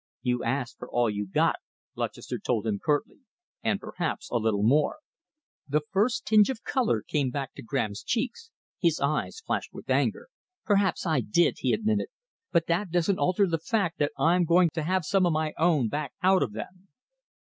"You asked for all you got," Lutchester told him curtly, "and perhaps a little more." The first tinge of colour came back to Graham's cheeks. His eyes flashed with anger. "Perhaps I did," he admitted, "but that doesn't alter the fact that I'm going to have some of my own back out of them."